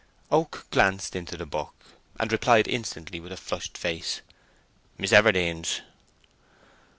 Oak glanced into the book, and replied instantly, with a flushed face, "Miss Everdene's."